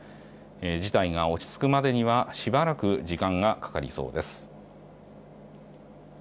事態が落ち着くまでには、しばらく時間がかかりそうです。